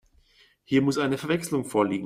Hier muss eine Verwechslung vorliegen.